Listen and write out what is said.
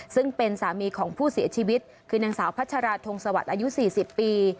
ซึ่งเป็นสามีของผู้เสียชีวิตคือนางสาวพัชราธงสวัสดิ์อายุ๔๐ปี